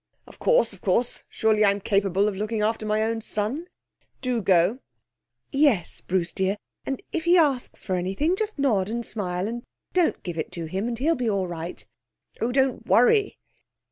'Of course, of course. Surely I'm capable of looking after my own son. Do go.' 'Yes, Bruce dear. And if he asks for anything just nod and smile and don't give it to him, and he'll be all right.' 'Oh, don't worry.'